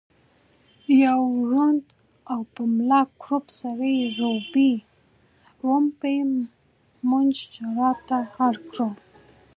يو ړوند او په ملا کړوپ سړي ړومبی مونږ ژړا ته اړ کړو